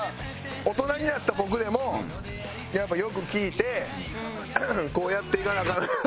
大人になった僕でもやっぱよく聴いてこうやっていかなアカン。